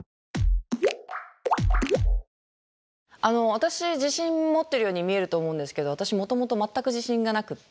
私自信持ってるように見えると思うんですけど私もともと全く自信がなくって。